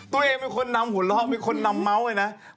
ตัวเองมีคนน้ำหูล้อมีคนน้ำเมาส์ไงนะ